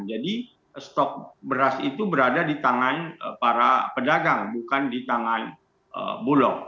jadi stok beras itu berada di tangan para pedagang bukan di tangan bulog